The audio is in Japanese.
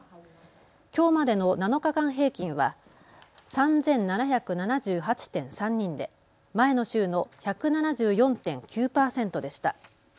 きょうまでの７日間平均は３７７８．３人で前の週の１７４．９％でした。